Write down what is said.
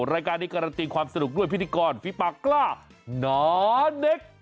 รายการนี้การันตีความสนุกด้วยพิธีกรฟีปากกล้านอนเด็ก